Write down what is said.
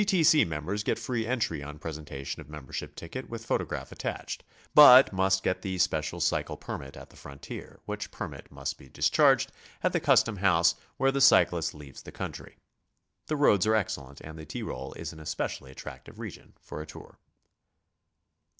C. T. C. members get free entry on presentation of membership ticket with photograph attached, but must get the special cycle permit at the frontier, which permit must be discharged at the custom house where the cyclist leaves the country. The roads are excellent, and the Tyrol is an especially attractive region for a tour.